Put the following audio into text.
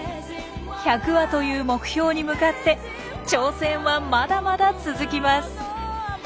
１００羽という目標に向かって挑戦はまだまだ続きます。